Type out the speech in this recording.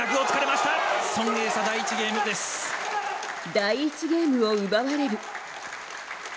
第１ゲームを奪われる。